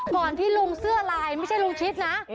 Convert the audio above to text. ที่ลุงเสื้อลายไม่ใช่ลุงชิดนะ